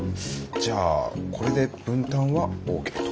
じゃあこれで分担はＯＫと。